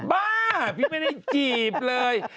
บ้าพี่ไม่ได้จีบเลย